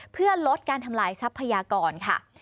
เพื่อลดการทำลายทรัพยากรค่ะ